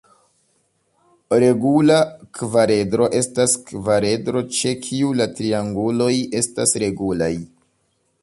Regula kvaredro estas kvaredro ĉe kiu la trianguloj estas regulaj.